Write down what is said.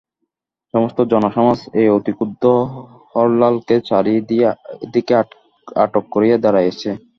সমস্ত জনসমাজ এই অতিক্ষুদ্র হরলালকে চারি দিকে আটক করিয়া দাঁড়াইয়াছে।